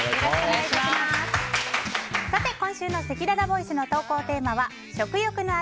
今週のせきららボイスの投稿テーマは食欲の秋！